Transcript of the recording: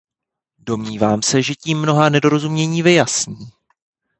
Domnívám se, že se tím mnohá nedorozumění vyjasní.